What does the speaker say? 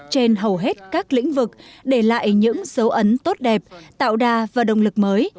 trên hầu hết các lĩnh vực để lại những dấu ấn tốt đẹp tạo đà và động lực mới